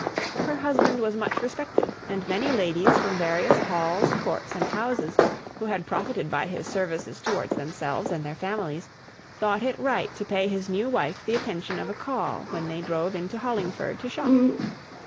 Her husband was much respected; and many ladies from various halls, courts, and houses, who had profited by his services towards themselves and their families, thought it right to pay his new wife the attention of a call when they drove into Hollingford to shop.